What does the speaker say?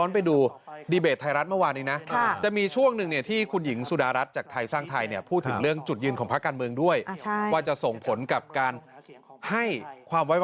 ประชาชนก็น่าจะทราบดีอยู่แล้ว